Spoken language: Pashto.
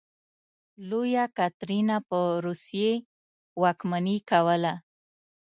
لویه کاترینه په روسیې واکمني کوله.